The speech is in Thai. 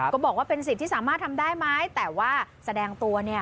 ก็บอกว่าเป็นสิทธิ์ที่สามารถทำได้ไหมแต่ว่าแสดงตัวเนี่ย